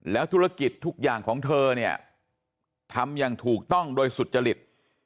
แล้วธุรกิจทุกอย่างของเธอเนี่ยทำอย่างถูกต้องโดยสุจริต